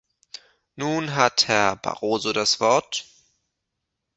Nun hat Herr Barroso das Wort.